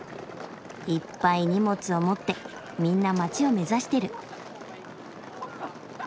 いっぱい荷物を持ってみんな街を目指してる。